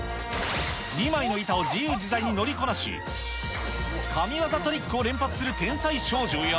２枚の板を自由自在に乗りこなし、神業トリックを連発する天才少女や。